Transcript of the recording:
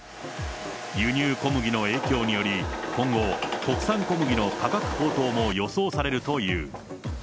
輸入小麦の影響により、今後、国産小麦の価格高騰も予想されるという。